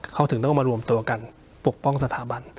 เขาถึงต้องมารวมตัวกันปกป้องสถาบัน